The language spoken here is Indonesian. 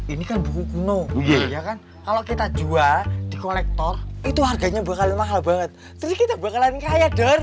ini kan buku kuno ya kan kalau kita jual di kolektor itu harganya bakal mahal banget jadi kita bakalan kaya deh